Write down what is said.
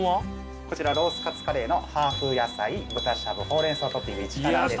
こちらロースカツカレーのハーフやさい豚しゃぶほうれん草トッピング１辛です。